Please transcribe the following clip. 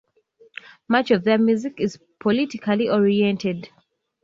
Much of their music is politically oriented.